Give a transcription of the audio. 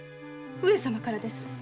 上様からです。